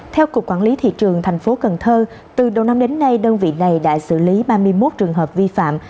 theo cục quản lý thị trường tp cn từ đầu năm đến nay đơn vị này đã xử lý ba mươi một trường hợp vi phạm